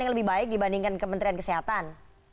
yang lebih baik dibandingkan kementerian kesehatan